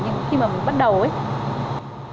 nhưng khi mà mình bắt đầu ấy